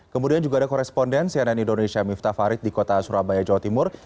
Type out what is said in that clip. kemudian juga ada koresponden cnn indonesia miftah farid di kota surabaya jawa timur